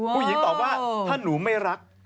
ผู้หญิงตอบว่าถ้าหนูไม่รัก